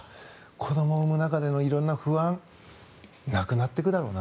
子どもを産む中での色んな不安なくなっていくだろうな。